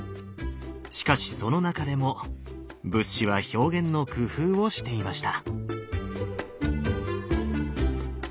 しかしその中でも仏師は表現の工夫をしていました。